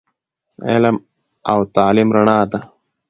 علم او تعليم رڼا ده